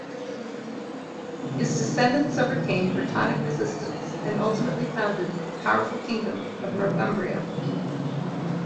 His descendants overcame Brittonic resistance and ultimately founded the powerful kingdom of Northumbria.